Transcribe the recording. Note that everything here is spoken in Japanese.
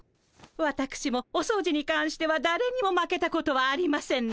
わたくしもお掃除にかんしてはだれにも負けたことはありませんの。